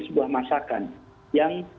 sebuah masakan yang